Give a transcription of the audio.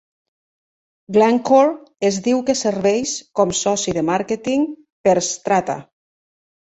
Glencore es diu que serveix com soci de màrqueting per Xstrata.